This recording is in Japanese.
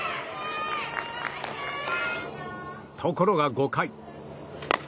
ところが、５回。